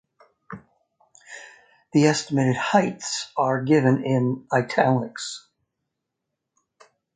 The estimated heights are given in "italics".